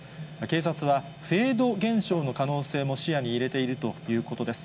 警察はフェード現象の可能性も視野に入れているということです。